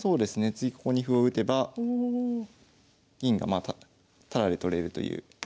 次ここに歩を打てば銀がタダで取れるという。